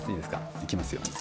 いきますよ。